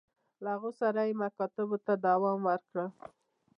له هغوی سره یې مکاتبو ته دوام ورکړ.